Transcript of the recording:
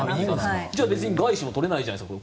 別に外資も取れないじゃないですか。